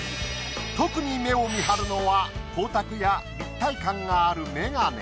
特に目を見張るのは光沢や立体感があるメガネ。